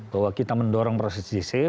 bahwa kita mendorong proses gc